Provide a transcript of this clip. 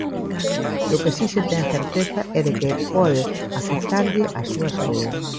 Do que si se ten certeza é de que pode afectarlle á súa saúde.